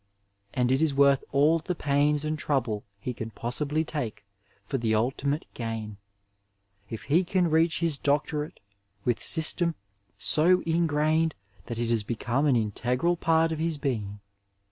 And it is worth ail the pains and trouble he can possibly take for the ultimate gain — ^if he can reach his doctorate with system so ingrained that it has become an integral part of his being.